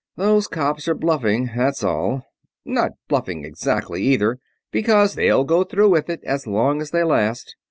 Those cops are bluffing, that's all. Not bluffing exactly, either, because they'll go through with it as long as they last.